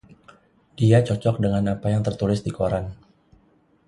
Dia cocok dengan apa yang tertulis di koran.